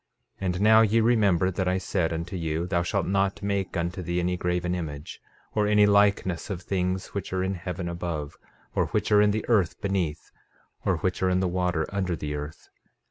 13:12 And now, ye remember that I said unto you: Thou shall not make unto thee any graven image, or any likeness of things which are in heaven above, or which are in the earth beneath, or which are in the water under the earth.